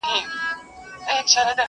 • سړي وځي له حسابه په نړۍ کي..